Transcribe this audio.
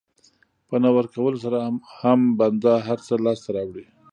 په نه ورکولو سره هم بنده هر څه لاسته راوړي.